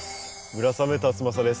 村雨辰剛です。